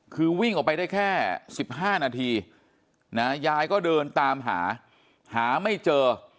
คือวิ่งออกไปได้แค่๑๕นาทียายก็เดินตามหาหาไม่เจอ